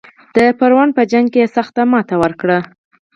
د پروان په جنګ کې سخته ماته ورکړه.